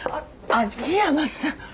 秋山さん。